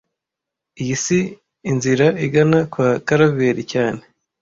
Iyi si inzira igana kwa Karaveri cyane